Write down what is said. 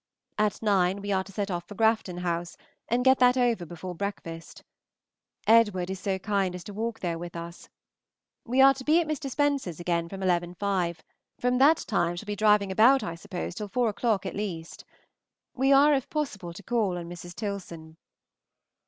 At nine we are to set off for Grafton House, and get that over before breakfast. Edward is so kind as to walk there with us. We are to be at Mr. Spence's again at 11.5: from that time shall be driving about I suppose till four o'clock at least. We are, if possible, to call on Mrs. Tilson.